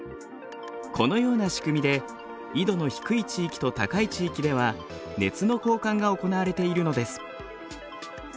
このような仕組みで緯度の低い地域と高い地域では熱の交換が行われているのです。